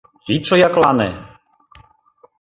— Ит шояклане!